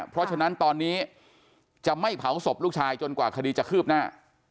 เพราะฉะนั้นตอนนี้จะไม่เผาศพลูกชายจนกว่าคดีจะคืบหน้า